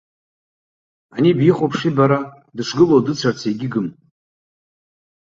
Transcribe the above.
Ани бихәаԥши, бара, дышгылоу дыцәарц егьигым.